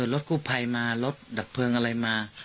รถกู้ภัยมารถดับเพลิงอะไรมา